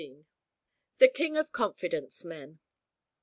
THE KING OF CONFIDENCE MEN.